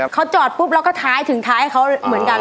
เขาจอดปุ๊บแล้วก็ท้ายถึงท้ายเขาเหมือนกัน